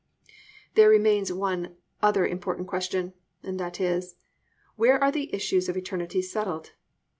There remains one other important question; and that is, where are the issues of eternity settled.